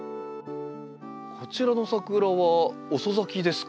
こちらのサクラは遅咲きですか？